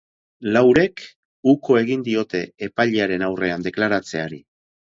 Laurek uko egin diote epailearen aurrean deklaratzeari.